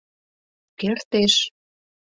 — Кертеш...